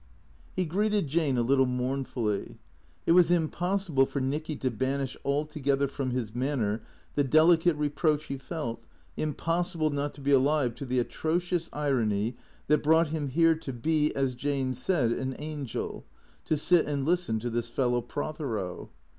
He greeted Jane a little mournfully. It was impossible for Nicky to banish altogether from his manner the delicate reproach he felt, impossible not to be alive to the atrocious irony that brought him here to be, as Jane said, an angel, to sit and listen to this fellow Prothero.